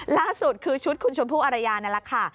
ล่าสุดคือชุดคุณชมพู่อารยานั่นแหละค่ะ